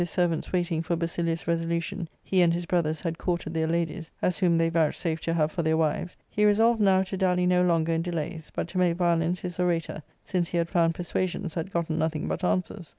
— Book IIL servant's waiting for Basilius' resolution he and his brothers had courted their ladies, as whom they vouchsafed to have for their wives, he resolved now to dally no longer in delays, but to make violence his orator, since he had found per suasions had gotten nothing but answers.